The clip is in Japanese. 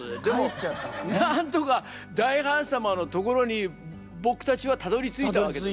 なんとか大ハーン様のところに僕たちはたどりついたわけですよ。